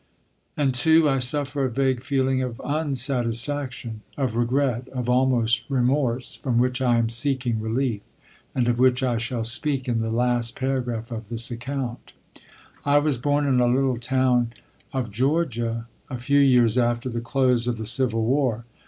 And, too, I suffer a vague feeling of unsatisfaction, of regret, of almost remorse, from which I am seeking relief, and of which I shall speak in the last paragraph of this account. I was born in a little town of Georgia a few years after the close of the Civil War.